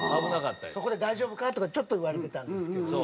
そこで大丈夫か？とかちょっと言われてたんですけども。